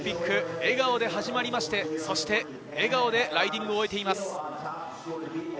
笑顔で始まって、笑顔でライディングを終えています。